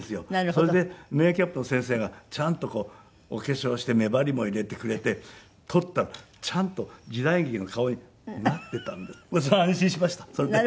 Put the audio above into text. それでメーキャップの先生がちゃんとこうお化粧して目張りも入れてくれて撮ったらちゃんと時代劇の顔になっていたんでそれは安心しましたそれで。